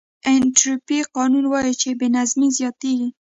د انټروپي قانون وایي چې بې نظمي زیاتېږي.